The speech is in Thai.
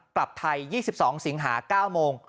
กลับไทย๒๒สิงหา๙โมง